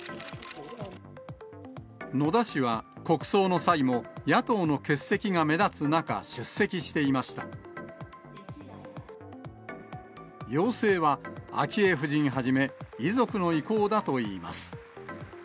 野田氏は、国葬の際も野党の欠席が目立つ中、出席していました。要請は、昭恵夫人はじめ、遺族の意向だといいます。